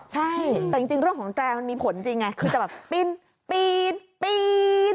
ใช่แต่จริงเรื่องของแตรมันมีผลจริงไงคือจะแบบปีนปี๊ด